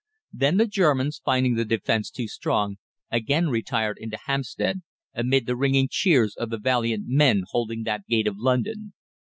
Then the Germans, finding the defence too strong, again retired into Hampstead, amid the ringing cheers of the valiant men holding that gate of London.